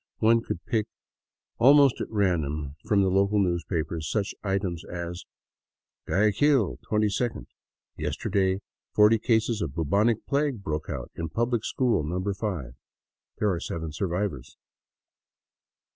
One could pick almost at random from the local newspapers such items as : Guayaquil, 22d. Yesterday forty cases of bubonic plague broke out in Public School No. 5. There are seven survivors.